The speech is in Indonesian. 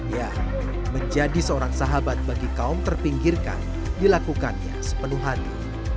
ya menjadi seorang sahabat bagi kaum terpinggirkan dilakukannya sepenuh hati